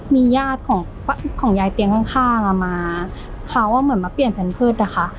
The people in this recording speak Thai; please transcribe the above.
มีญาติของของยายเตียงข้างอ่ะมาเขาเหมือนมาเปลี่ยนแพนเพิร์ตอะค่ะ